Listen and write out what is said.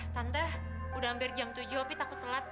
tante udah hampir jam tujuh tapi takut telat